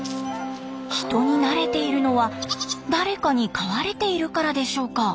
人に慣れているのは誰かに飼われているからでしょうか？